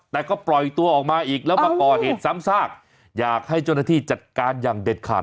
แต่ก็ปล่อยตัวออกมาอีกแล้วมาก่อเหตุซ้ำซากอยากให้เจ้าหน้าที่จัดการอย่างเด็ดขาด